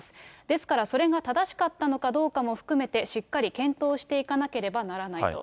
ですから、それが正しかったのかどうかも含めて、しっかり検討していかなければならないと。